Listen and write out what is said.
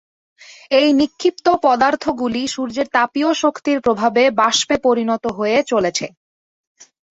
এই নিক্ষিপ্ত পদার্থগুলি সূর্যের তাপীয় শক্তির প্রভাবে বাষ্পে পরিণত হয়ে চলেছে।